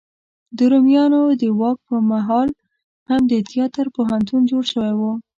د رومیانو د واک په مهال هم د تیاتر پوهنتون جوړ شوی و.